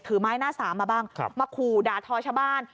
ถือไม้หน้าสามมาบ้างครับมาคู่ดาดท้อชาวบ้าน